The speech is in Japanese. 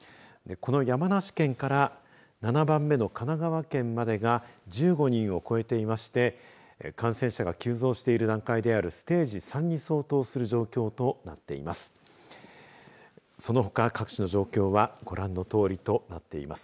この山梨県から７番目の神奈川県までが１５人を超えていまして感染者が急増している段階であるステージ３に相当する状況となっています。